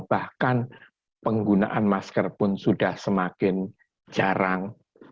bahkan penggunaan masker pun sudah semakin jarang